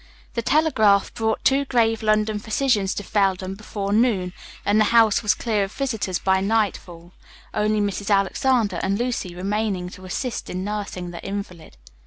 The telegraph brought two grave London physicians to Felden before noon, and the house was clear of visitors by night fall, only Mrs. Alexander and Lucy remaining to assist in nursing the invalid.